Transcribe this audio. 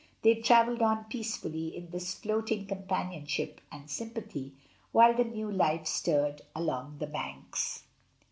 They travelled on peacefully in this floating com panionship and sympathy, while the new life stirred along the banks.